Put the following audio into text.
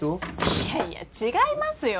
いやいや違いますよ。